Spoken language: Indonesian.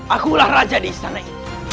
akulah raja di istana ini